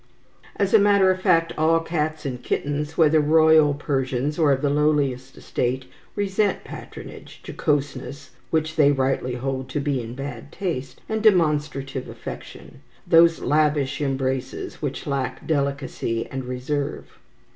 As a matter of fact, all cats and kittens, whether royal Persians or of the lowliest estate, resent patronage, jocoseness (which they rightly hold to be in bad taste), and demonstrative affection, those lavish embraces which lack delicacy and reserve.